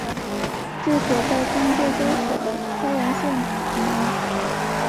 治所在今贵州省开阳县南。